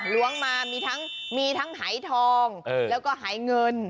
ล้วงมามีทั้งมีทั้งหายทองแล้วก็หายเงิน